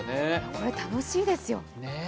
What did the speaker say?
これ楽しいですよ。